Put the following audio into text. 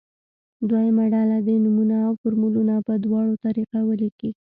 دویمه ډله دې نومونه او فورمولونه په دواړو طریقه ولیکي.